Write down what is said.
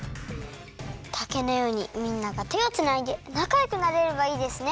たけのようにみんながてをつないでなかよくなれればいいですね！